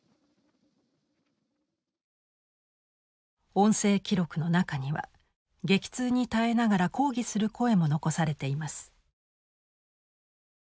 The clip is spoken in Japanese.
音声記録の中には激痛に耐えながら抗議する声も残されています。